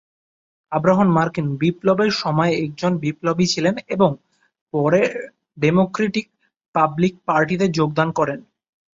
Abraham মার্কিন বিপ্লবের সময়ে একজন বিপ্লবী ছিলেন এবং পরে ডেমোক্র্যাটিক-রিপাবলিকান পার্টিতে যোগ দেন।